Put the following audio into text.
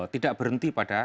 tidak berhenti pada